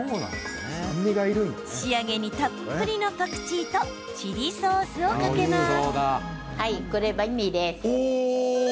仕上げに、たっぷりのパクチーとチリソースをかけます。